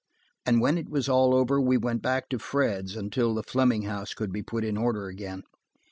And when it was all over, we went back to Fred's until the Fleming house could be put into order again.